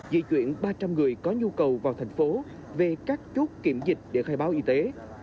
di chuyển ba trăm linh người có nhu cầu vào thành phố về các chốt kiểm dịch để khai báo y tế